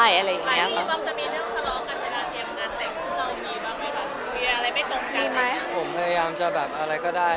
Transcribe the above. ไอพี่บ้างจะมีเนื่องทะเลาะกันในหละเตรียมเบินได้